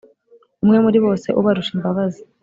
Umwe muri bose ubarusha imbabazi